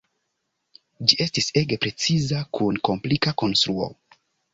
Ĝi estis ege preciza kun komplika konstruo.